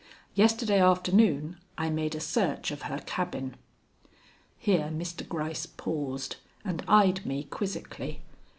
Yesterday afternoon I made a search of her cabin." Here Mr. Gryce paused and eyed me quizzically.